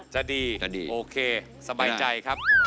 จะดีโอเคสบายใจครับ